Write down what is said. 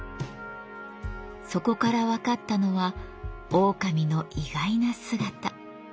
そこから分かったのはオオカミの意外な姿。